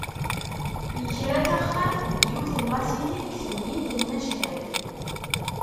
Yekra taxxamt deg yiwet n lasiti deg temdint n Machad.